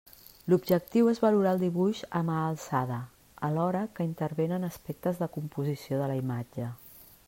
L'objectiu és valorar el dibuix a mà alçada alhora que intervenen aspectes de composició de la imatge.